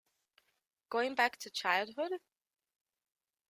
Going back to childhood?